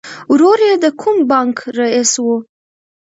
ورور یې د کوم بانک رئیس و